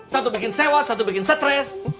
satu bikin sewa satu bikin stres